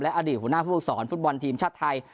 และอดีตหัวหน้าผู้ปกสรฟุตบอลทีมชาติไทย